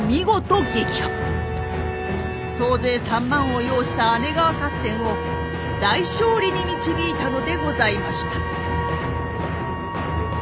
総勢３万を擁した姉川合戦を大勝利に導いたのでございました。